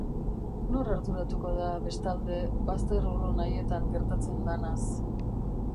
Nor arduratuko da, bestalde, bazter urrun haietan gertatzen danaz?